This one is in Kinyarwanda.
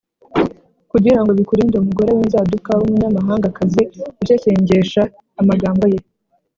kugira ngo bikurinde umugore w’inzanduka, n’umunyamahangakazi ushyeshyengesha amagambo ye